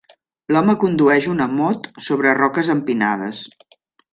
L'home condueix una mot sobre roques empinades.